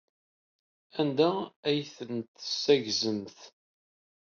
Anda ay ten-tessaggzemt?